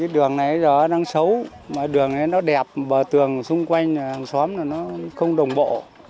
đường này đang xấu đường này nó đẹp bờ tường xung quanh xóm nó không đồng bộ